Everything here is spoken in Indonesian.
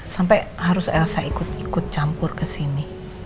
sampai harus elsa ikut ikut campur ke sini